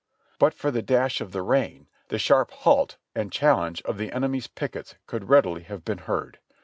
But for the dash of the INTO MARYLAND 267 rain, the sharp "Halt!" and challenge of the enemy's pickets could readily have been heard.